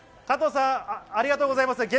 加藤さん、ありがとうございます。